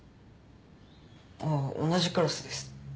ああ同じクラスです。